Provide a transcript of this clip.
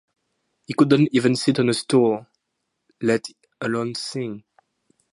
He couldn't even sit on a stool, let alone sing.